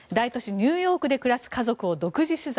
ニューヨークで暮らす家族を独自取材。